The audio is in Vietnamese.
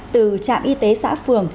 từ trạm y tế xã phường